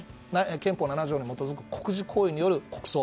憲法７条に基づく国事行為の国葬。